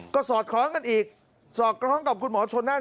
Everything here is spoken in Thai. ก็สอดคล้องกันอีกสอดคล้องกับคุณหมอชนนั่น